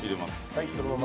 はいそのまま。